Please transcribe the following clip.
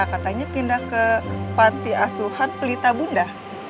katanya pindah ke pantiasuhan pelita bunda